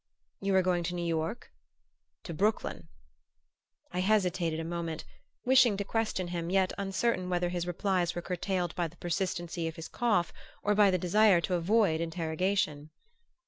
"You are going to New York?" "To Brooklyn " I hesitated a moment, wishing to question him, yet uncertain whether his replies were curtailed by the persistency of his cough or by the desire to avoid interrogation.